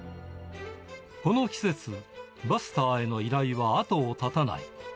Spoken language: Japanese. この季節、バスターへの依頼はあとを絶たない。